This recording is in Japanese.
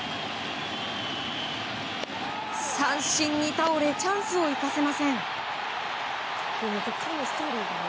三振に倒れチャンスを生かせません。